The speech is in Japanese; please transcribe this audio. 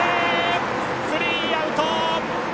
スリーアウト。